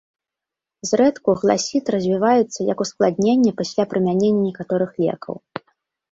Зрэдку гласіт развіваецца як ускладненне пасля прымянення некаторых лекаў.